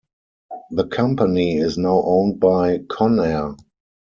The company is now owned by Conair.